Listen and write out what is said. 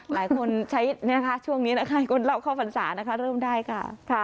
หลายคนใช้ช่วงนี้นะคะคนเล่าเข้าพรรษานะคะเริ่มได้ค่ะ